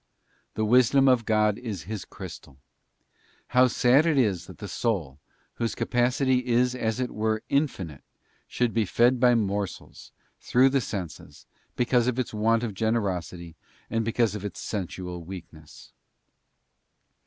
'* The Wisdom of God is His crystal. How sad it is that the soul, whose capacity is as it were infinite, should be fed by morsels through the senses, because of its want of generosity, and because of its sensual weakness.